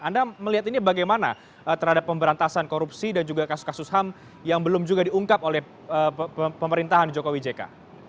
anda melihat ini bagaimana terhadap pemberantasan korupsi dan juga kasus kasus ham yang belum juga diungkap oleh pemerintahan jokowi jk